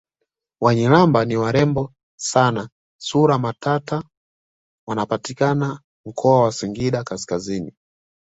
Wanyiramba ni warembo sana sura matata wanapatikana mkoa wa singida kaskazini